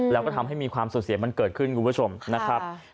แล้วก็ทำให้มีความสูญเสียมันเกิดขึ้นคุณผู้ชมนะครับ